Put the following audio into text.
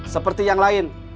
seperti yang lain